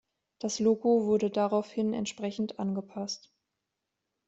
Das Logo wurde daraufhin entsprechend angepasst.